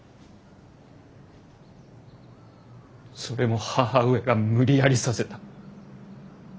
それも母上が無理やりさせた。